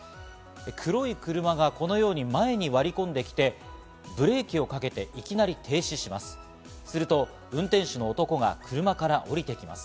黒い車がこのように前に割り込んできて、ブレーキをかけて、いきなり停止します。